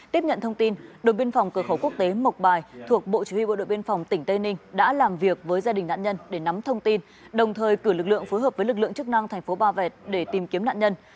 tiếp nhận thông tin đội biên phòng cửa khẩu quốc tế mộc bài thuộc bộ chỉ huy bộ đội biên phòng tỉnh tây ninh đã làm việc với gia đình nạn nhân để nắm thông tin đồng thời cử lực lượng phối hợp với lực lượng chức năng thành phố ba vẹt để tìm kiếm nạn nhân